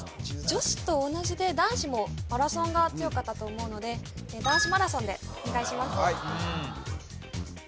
女子と同じで男子もマラソンが強かったと思うので男子マラソンでお願いします